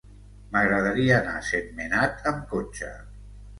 M'agradaria anar a Sentmenat amb cotxe.